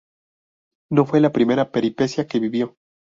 No fue la primera peripecia que vivió.